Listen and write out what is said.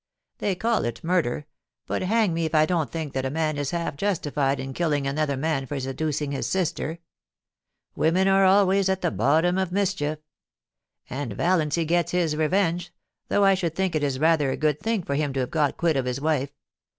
They call it murder, but hang me THE IMPEACHMENT OF THE PREMIER. 415 if I don't think that a man is half justified in killing another man for seducing his sister! Women are always at the bottom of mischief. And Valiancy gets his revenge, though I should think it is rather a good thing for him to have got quit of his wife.